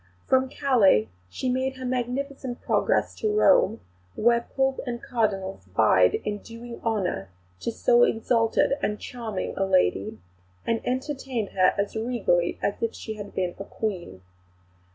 From Calais she made her magnificent progress to Rome, where Pope and Cardinals vied in doing honour to so exalted and charming a lady, and entertained her as regally as if she had been a Queen.